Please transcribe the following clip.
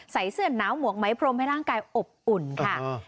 ใส่เสื้อหนาวหมวกไม้พรมให้ร่างกายอบอุ่นค่ะ